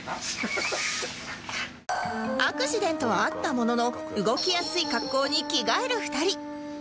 アクシデントはあったものの動きやすい格好に着替える２人